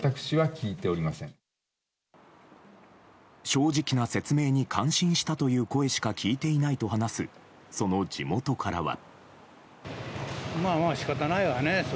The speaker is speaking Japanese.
正直な説明に感心したという声しか聞いていないと話すその地元からは。